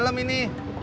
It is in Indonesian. jauh banget you san